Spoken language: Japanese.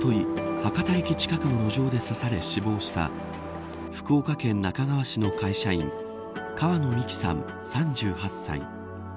博多駅近くの路上で刺され死亡した福岡県那珂川市の会社員川野美樹さん、３８歳。